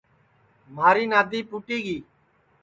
مھاری نادی پھُوٹی گی